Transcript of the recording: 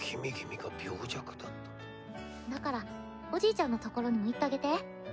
だからおじいちゃんのところにも行ってあげて。